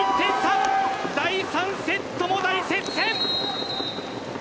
第３セットも大接戦！